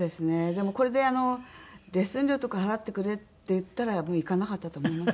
でもこれで「レッスン料とか払ってくれ」って言ったら行かなかったと思います。